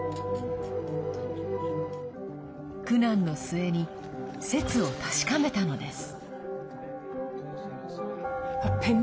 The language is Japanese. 苦難の末に説を確かめたのです。